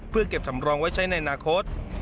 เพื่อเก็บสำรองไว้ใช้ในอนาคต